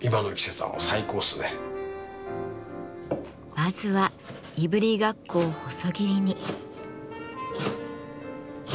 まずはいぶりがっこを細切りに。